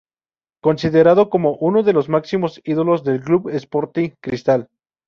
Considerado como uno de los máximos ídolos del Club Sporting Cristal.